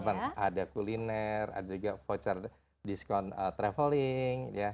ada kuliner ada juga voucher diskon traveling